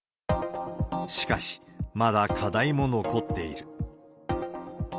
しかし、まだ課題も残っている。